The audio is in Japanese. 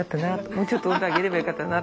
もうちょっと温度上げればよかったな」